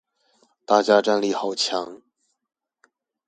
大家戰力好強